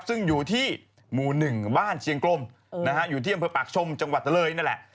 ซึ่งอยู่ที่หมู่๑บ้านเชียงกลมอยู่ที่อำเภอปากชมจังหวัดเลยนั่นแหละ